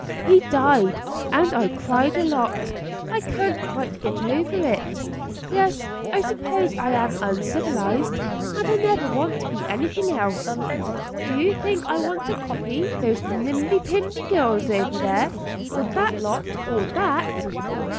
He died, and I cried a lot. I can't quite get over it. Yes, I suppose I am uncivilised, and I never want to be anything else. Do you think I want to copy those nimby pimby girls over there, or that lot, or that?"